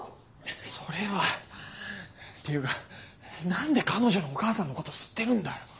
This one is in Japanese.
それはっていうか何で彼女のお母さんのこと知ってるんだよ？